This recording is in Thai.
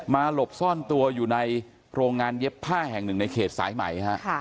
หลบซ่อนตัวอยู่ในโรงงานเย็บผ้าแห่งหนึ่งในเขตสายไหมฮะ